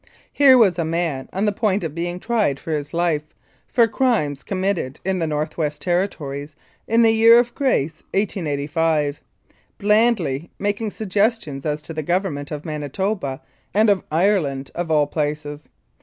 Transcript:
Here was a man on the point of being tried for his life, for crimes committed in the North West Territories in the year of grace 1885, blandly making suggestions as to the Government of Manitoba and of Ireland, of all places.